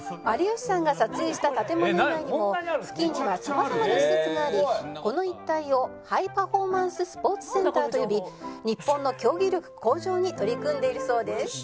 「有吉さんが撮影した建物以外にも付近には様々な施設がありこの一帯をハイパフォーマンススポーツセンターと呼び日本の競技力向上に取り組んでいるそうです」